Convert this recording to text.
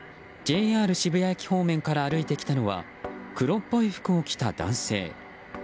渋谷駅方面から歩いてきたのは黒っぽい服を着た男性。